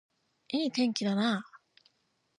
いい天気だな